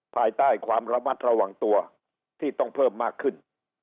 ภายใต้ความระมัดระวังตัวที่ต้องเพิ่มมากขึ้น